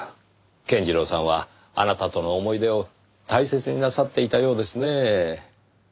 健次郎さんはあなたとの思い出を大切になさっていたようですねぇ。